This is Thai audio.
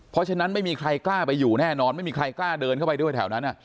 เพราะฉะนั้นไม่มีใครกล้าไปอยู่แน่นอนไม่มีใครกล้าเดินเข้าไปด้วยแถวนั้น